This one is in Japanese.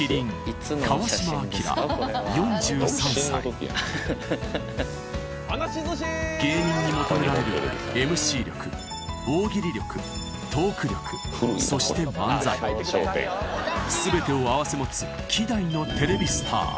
今芸人に求められるＭＣ力大喜利力トーク力そして漫才全てを併せ持つ